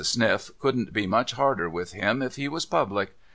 Sniff couldn't be much harder with him if he was public.